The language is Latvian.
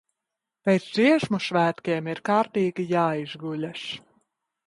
Pēc Dziesmu svētkiem ir kārtīgi jāizguļas!